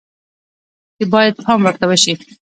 چې باید پام ورته شي